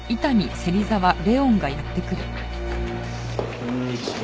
こんにちは。